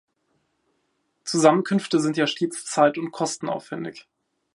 Zusammenkünfte sind ja stets zeit- und kostenaufwendig.